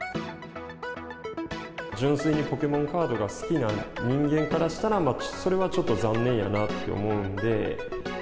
純粋にポケモンカードが好きな人間からしたら、ちょっとそれは残念やなって思うんで。